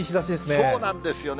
そうなんですよね。